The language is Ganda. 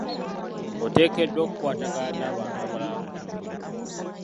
Oteekeddwa okukwatagana n'abantu abalala ku mulimu.